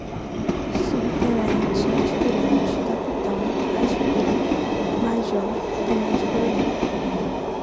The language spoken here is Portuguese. Subtenente, Aspirante, Capitão, aspira, Major, Tenente-Coronel